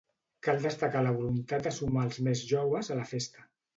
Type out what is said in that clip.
Cal destacar la voluntat de sumar els més joves a la festa.